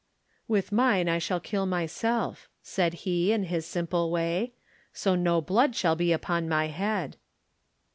"With mine I shall kill myself," said he, in his simple way, "so no blood shall be upon my head."